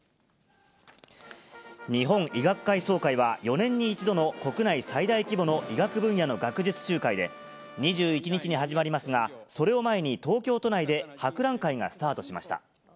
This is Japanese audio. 日本医学会総会は、４年に１度の国内最大規模の医学分野の学術集会で、２１日に始まりますが、それを前に東京都内で博覧会がスタートしました。